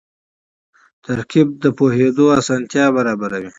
ترکیب د پوهېدو اسانتیا برابروي.